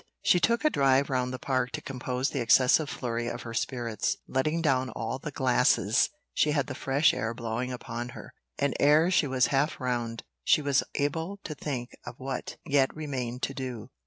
She took a drive round the Park to compose the excessive flurry of her spirits. Letting down all the glasses, she had the fresh air blowing upon her, and ere she was half round, she was able to think of what yet remained to do.